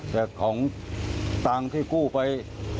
แต่ของต่างที่กู้ไป